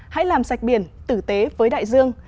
hãy làm sạch biển tử tế với đại dương